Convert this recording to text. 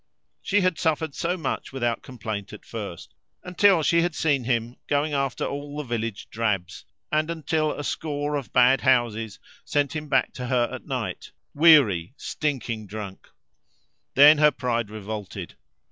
She had suffered so much without complaint at first, until she had seem him going after all the village drabs, and until a score of bad houses sent him back to her at night, weary, stinking drunk. Then her pride revolted.